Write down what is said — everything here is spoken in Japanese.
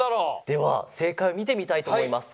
では正解を見てみたいと思います。